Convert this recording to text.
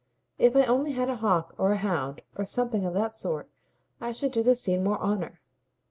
If I only had a hawk or a hound or something of that sort I should do the scene more honour.